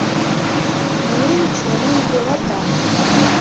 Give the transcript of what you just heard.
Мыйын чоным йӱлата.